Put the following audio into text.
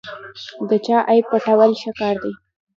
د چا عیب پټول ښه کار دی.